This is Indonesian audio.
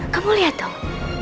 kamu lihat dong